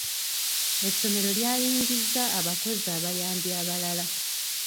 Essomero lyayingizza abakozi abayambi abalala.